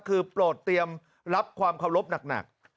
คือโปรดเตรียมรับความเคารพหนัก